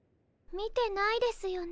見てないですよね？